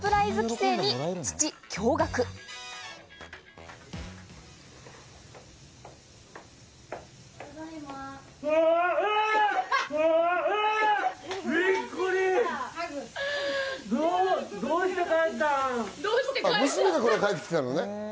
娘さんが帰ってきたのね。